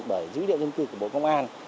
bởi dữ liệu dân cư của bộ công an